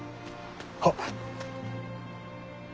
はっ。